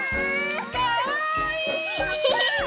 かわいい！